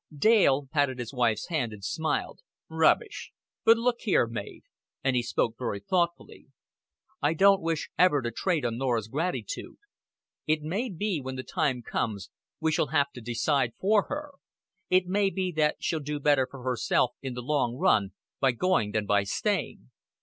Dale patted his wife's hand, and smiled. "Rubbish! But look here, Mav;" and he spoke very thoughtfully. "I don't wish ever to trade on Norah's gratitude. It may be, when the time comes, we shall have to decide for her. It may be that she'll do better for herself in the long run by going than by staying.